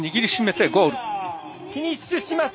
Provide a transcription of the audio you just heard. フィニッシュします。